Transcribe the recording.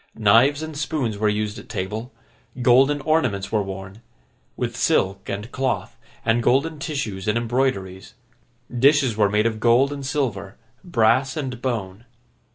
Knives and spoons were used at table; golden ornaments were worn—with silk and cloth, and golden tissues and embroideries; dishes were made of gold and silver, brass and bone.